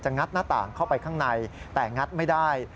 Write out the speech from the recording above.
งัดหน้าต่างเข้าไปข้างในแต่งัดไม่ได้